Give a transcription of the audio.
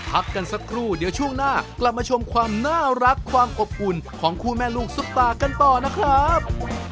พักกันสักครู่เดี๋ยวช่วงหน้ากลับมาชมความน่ารักความอบอุ่นของคู่แม่ลูกซุปตากันต่อนะครับ